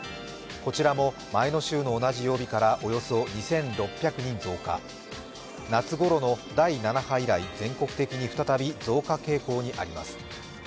こちらも前週の同じ曜日からおよそ２６００人増加、夏ごろの第７波以来、全国的に再び増加傾向にあります。